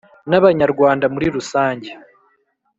n'abanyarwanda muri rusange.